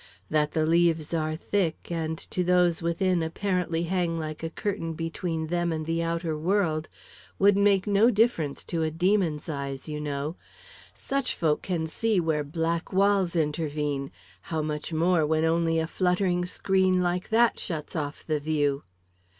That the leaves are thick, and, to those within, apparently hang like a curtain between them and the outer world, would make no difference to a demon's eyes, you know. Such folk can see where black walls intervene; how much more when only a fluttering screen like that shuts off the view."